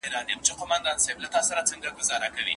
خلګو خپله انګېزه له لاسه ورکړې وه.